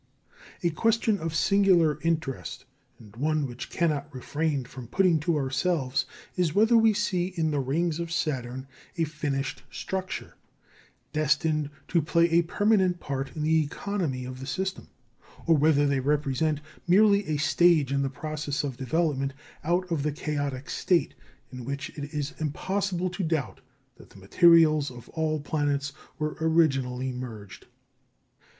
A question of singular interest, and one which we cannot refrain from putting to ourselves, is whether we see in the rings of Saturn a finished structure, destined to play a permanent part in the economy of the system; or whether they represent merely a stage in the process of development out of the chaotic state in which it is impossible to doubt that the materials of all planets were originally merged.